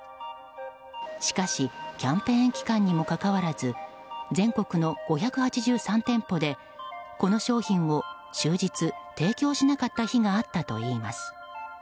しかしキャンペーン期間にもかかわらず全国の５８３店舗でこの商品を終日提供しなかった日があったといいます。